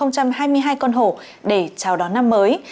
hai nghìn hai mươi hai con hổ để chào đón năm mới